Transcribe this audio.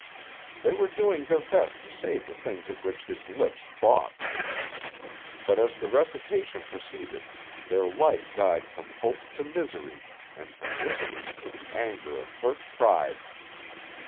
They were doing their best to say the things at which his lips balked. But as the recitation proceeded their light died from hope to misery and from misery to the anger of hurt pride.